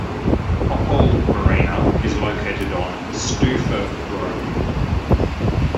Oppold Marina is located on Stouffer Road.